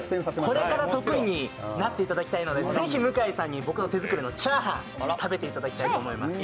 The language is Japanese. これから得意になっていただきたいので是非、向井さんに僕の手作りのチャーハンを食べていただきたいと思います。